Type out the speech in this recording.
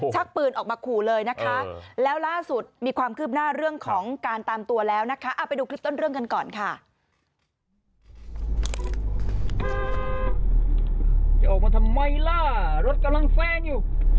จะออกมาทำไมล่ะรถกำลังแซงอยู่